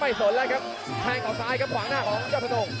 ไม่สนแล้วครับแท่งขวาซ้ายครับขวางหน้าของเจ้าสนุก